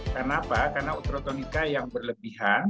karena apa karena uterotonika yang berlebihan